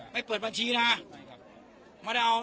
ไม่เปิดบัญชีนะ